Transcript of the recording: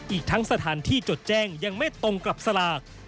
อีกทั้งสถานที่จดแจ้งยังไม่ตรงกับสลาก